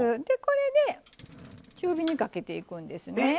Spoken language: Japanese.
でこれで中火にかけていくんですね。